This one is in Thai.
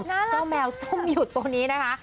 เจ้าแมวส้มหยุดตัวนี้นะคะ